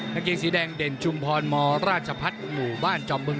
กางเกงสีแดงเด่นชุมพรมราชพัฒน์หมู่บ้านจอมบึง